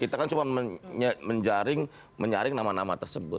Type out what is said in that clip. kita kan cuma menyaring nama nama tersebut